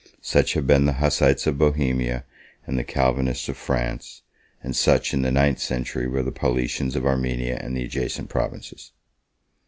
Such have been the Hussites of Bohemia and the Calvinists of France, and such, in the ninth century, were the Paulicians of Armenia and the adjacent provinces.